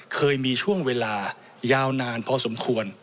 เคยมีช่วงเวลายาวนานพอสมควร